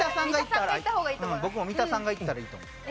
僕も三田さんがいったらいいと思う。